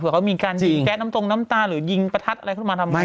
เขามีการยิงแก๊สน้ำตรงน้ำตาหรือยิงประทัดอะไรขึ้นมาทำไม